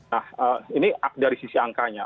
nah ini dari sisi angkanya